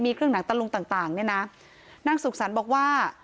มีเครื่องหนังตะลุงต่างนี่นะนางศุกษัณฐ์บอกว่า